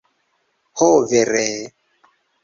Ho vere...